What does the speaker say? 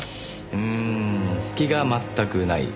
うん隙が全くない。